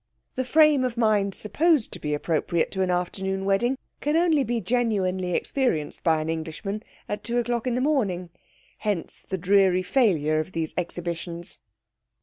The frame of mind supposed to be appropriate to an afternoon wedding can only be genuinely experienced by an Englishman at two o'clock in the morning. Hence the dreary failure of these exhibitions.